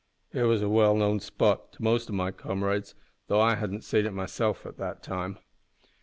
It was a well known spot to most o' my comrades, tho' I hadn't seen it myself at that time.